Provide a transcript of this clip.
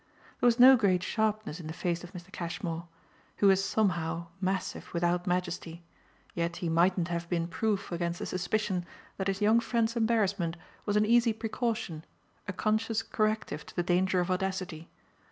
There was no great sharpness in the face of Mr. Cashmore, who was somehow massive without majesty; yet he mightn't have been proof against the suspicion that his young friend's embarrassment was an easy precaution, a conscious corrective to the danger of audacity.